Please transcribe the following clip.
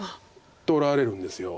取られるんです。